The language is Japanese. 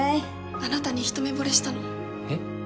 あなたに一目ぼれしたのえっ？